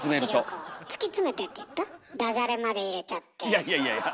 いやいやいやいや！